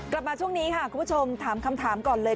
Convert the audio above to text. กลับมาช่วงนี้ค่ะคุณผู้ชมถามคำถามก่อนเลย